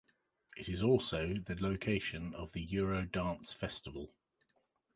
It is also the location of the Euro Dance Festival.